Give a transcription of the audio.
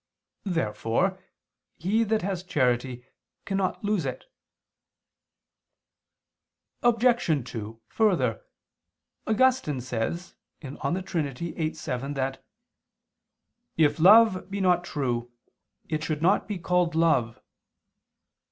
Therefore he that has charity cannot lose it. Obj. 2: Further, Augustine says (De Trin. viii, 7) that "if love be not true, it should not be called love."